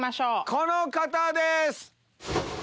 この方です。